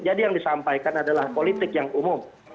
jadi yang disampaikan adalah politik yang umum